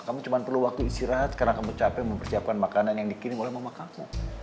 kamu cuma perlu waktu istirahat karena kamu capek mempersiapkan makanan yang dikirim oleh mama kamu